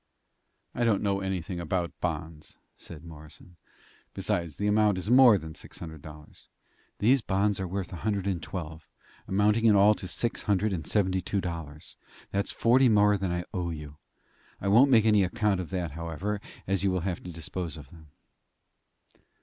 "I don't know anything about bonds," said Morrison. "Besides, the amount is more than six hundred dollars." "These bonds are worth a hundred and twelve, amounting in all to six hundred and seventy two dollars. That's forty more than I owe you. I won't make any account of that, however, as you will have to dispose of them."